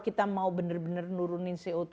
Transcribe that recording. kita mau benar benar nurunin co tiga